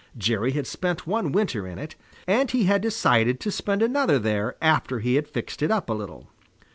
Jerry had spent one winter in it, and he had decided to spend another there after he had fixed it up a little.